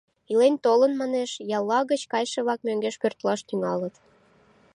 Илен-толын, манеш, ялла гыч кайше-влак мӧҥгеш пӧртылаш тӱҥалыт.